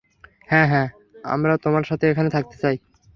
হ্যাঁ, হ্যাঁ, আমরা তোমার সাথে এখানে থাকতে চাই।